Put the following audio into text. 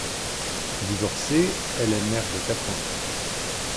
Divorcée, elle est mère de quatre enfants.